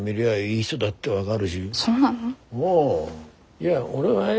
いや俺はよ